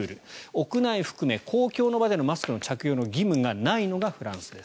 屋内含め公共の場でのマスク着用の義務がないのがフランスです。